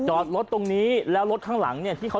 โอ้โห